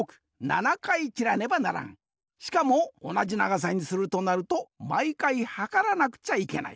しかもおなじながさにするとなるとまいかいはからなくちゃいけない。